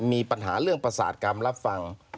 มีปัญหาเรื่องประสาทกรรมรับฟัง